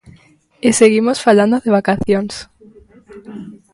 E seguimos falando de vacacións.